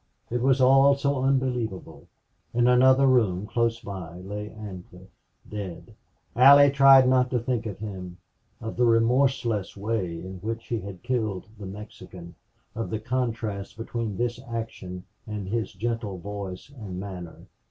It was all so unbelievable. In another room, close to her, lay Ancliffe, dead. Allie tried not to think of him; of the remorseless way in which he had killed the Mexican; of the contrast between this action and his gentle voice and manner.